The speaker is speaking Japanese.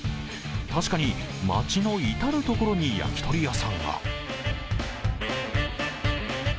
確かに、街の至る所にやきとり屋さんが。